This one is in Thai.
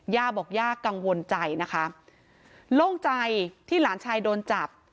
ย่าบอกย่ากังวลใจนะคะโล่งใจที่หลานชายโดนจับ